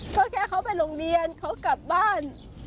ก็แค่เขาไปโรงเรียนเขากลับบ้าน